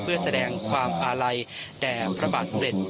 เพื่อแสดงความอาลัยแด่พระบาทสำเร็จ